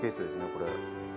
これ。